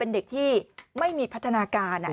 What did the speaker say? เป็นเด็กที่ไม่มีพัฒนาการ